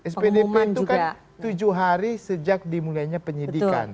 spdp itu kan tujuh hari sejak dimulainya penyidikan